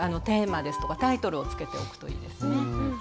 テーマですとかタイトルを付けておくといいですね。